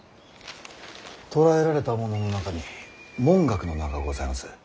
捕らえられた者の中に文覚の名がございます。